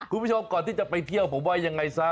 คุณผู้ชมก่อนที่จะไปเที่ยวผมว่ายังไงซะ